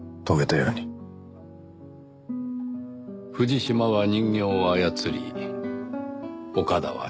藤島は人形を操り岡田は人間を操る。